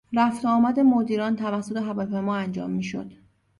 رفت و آمد مدیران توسط هواپیما انجام میشد.